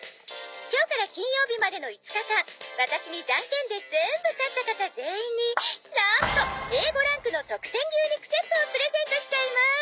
「今日から金曜日までの５日間ワタシにジャンケンで全部勝った方全員になんとＡ５ランクの特選牛肉セットをプレゼントしちゃいます」